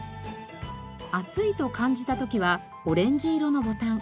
暑いと感じた時はオレンジ色のボタン。